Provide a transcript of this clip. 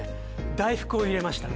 大福を入れました